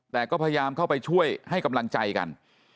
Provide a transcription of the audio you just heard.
แต่ก็พยายามเข้าไปช่วยให้กำลังใจกัน